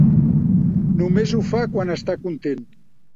Només ho fa quan està content.